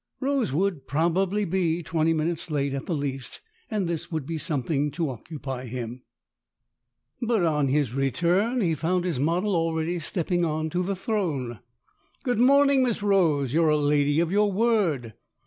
Rose would probably be twenty minutes late at the least, and this would be some thing to occupy him. But on his return he found his model already stepping on to the throne. " Good morning, Miss Rose. You're a lady of your word."